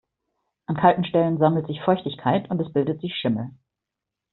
An kalten Stellen sammelt sich Feuchtigkeit und es bildet sich Schimmel.